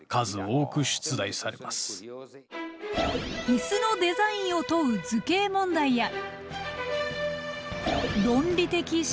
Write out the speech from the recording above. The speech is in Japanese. イスのデザインを問う図形問題や。